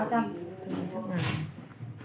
ba trăm linh thuốc nào